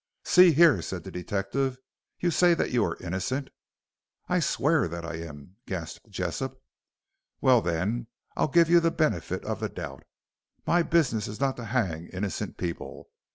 "See here," said the detective. "You say that you are innocent?" "I swear that I am," gasped Jessop. "Well, then, I'll give you the benefit of the doubt. My business is not to hang innocent people.